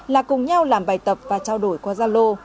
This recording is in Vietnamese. là cùng nhau làm bài tập và trao đổi qua gia lô